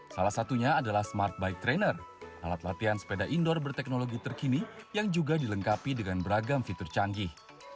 salah satunya adalah smart bike trainer alat latihan sepeda indoor berteknologi terkini yang juga dilengkapi dengan beragam fitur canggih